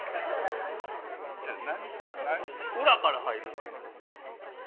裏から入るという。